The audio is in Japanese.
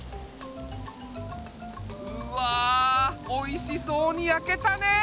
うわおいしそうにやけたね！